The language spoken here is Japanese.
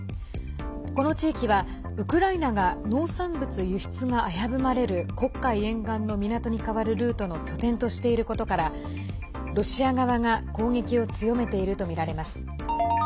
この地域はウクライナが農産物輸出が危ぶまれる黒海沿岸の港に代わるルートの拠点としていることからロシア側が攻撃を強めているとみられます。